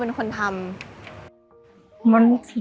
เขาทดตัวเองหรอ